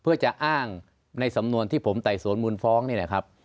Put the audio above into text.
เพื่อจะอ้างในสำนวนที่ผมไต่สวนมูลฟ้องนี่แหละครับ